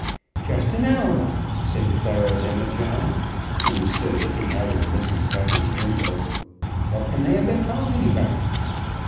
"Just an hour," said Clara Demijohn, who was still looking out of Mrs. Duffer's window. "What can they have been talking about?"